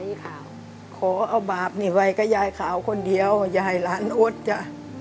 มีข่าวขอเอาบาปนี่ไว้กับยายขาวคนเดียวยายหลานอดจ้ะ